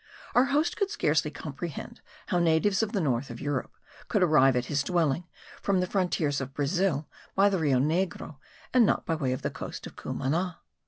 Our host could scarcely comprehend how natives of the north of Europe could arrive at his dwelling from the frontiers of Brazil by the Rio Negro, and not by way of the coast of Cumana.